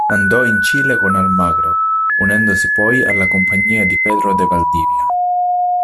Andò in Cile con Almagro, unendosi poi alla compagnia di Pedro de Valdivia.